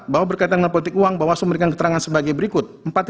empat bahwa berkaitan dengan politik uang bahwa sumberikan keterangan sebagai berikut